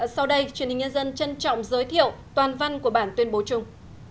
sau đây truyền hình nhân dân trân trọng giới thiệu toàn văn của bản tuyên bố chung